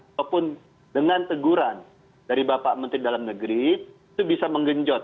ataupun dengan teguran dari bapak menteri dalam negeri itu bisa menggenjot